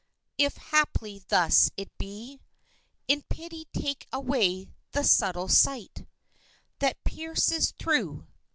If haply thus it be In pity take away the subtle sight That pierces thought.